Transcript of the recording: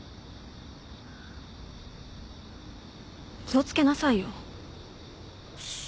気を付けなさいよ。っす。